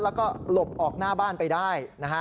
แล้วก็หลบออกหน้าบ้านไปได้นะฮะ